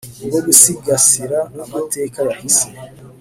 bwo gusigasira amateka yahise